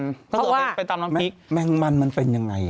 เพราะว่าไปตำน้ำพริกแมงมันมันเป็นยังไงอ่ะ